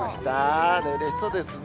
うれしそうですね。